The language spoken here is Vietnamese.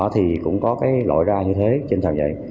thì cũng có cái lội ra như thế trên thằng vậy